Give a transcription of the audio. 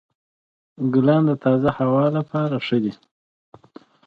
ګلان د تازه هوا لپاره ښه دي.